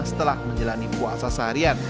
setelah menjalani puasa seharian